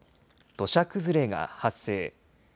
土砂崩れが発生。